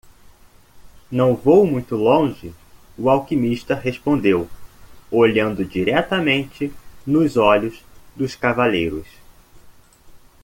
"Não vou muito longe?" o alquimista respondeu? olhando diretamente nos olhos dos cavaleiros.